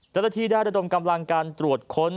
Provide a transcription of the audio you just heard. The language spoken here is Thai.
จตะที่ได้รูดมกำลังการตรวจค้น